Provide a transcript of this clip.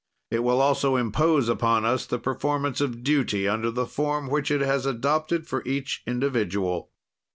It will also impose upon us the performance of duty under the form which it has adopted for each individual.